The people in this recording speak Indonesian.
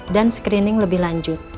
dan screening lebih lanjut